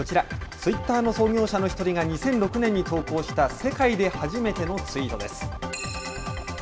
ツイッターの創業者の一人が、２００６年に投稿した世界で初めてのツイートです。